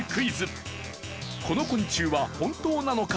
この昆虫は本当なのか？